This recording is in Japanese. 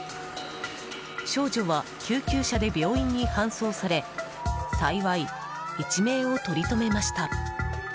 少女は救急車で病院に搬送され幸い、一命を取り留めました。